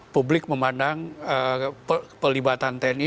publik memandang pelibatan tni